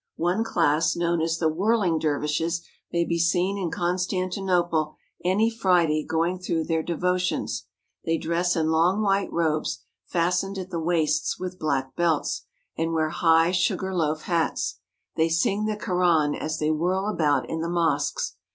One class, known as the whirling dervishes, may be seen in Constantinople any Friday going through their devotions. They dress in long white robes fastened at the waists with black belts, and wear high sugar loaf hats. They sing the Koran as they whirl about in the mosques.